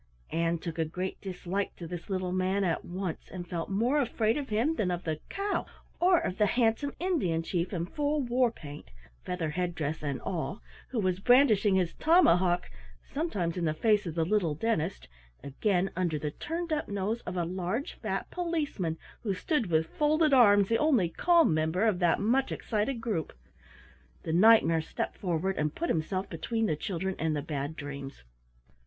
Ann took a great dislike to this little man at once, and felt more afraid of him than of the Cow or of the handsome Indian Chief in full war paint feather head dress and all who was brandishing his tomahawk, sometimes in the face of the Little Dentist, again under the turned up nose of a large fat Policeman who stood with folded arms, the only calm member of that much excited group. The Knight mare stepped forward and put himself between the children and the Bad Dreams.